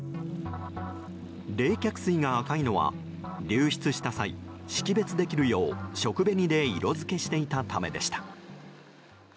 冷却水が赤いのは流出した際識別できるよう、食紅で色付けしていたためでした。